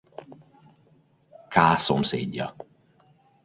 Ka szomszédja.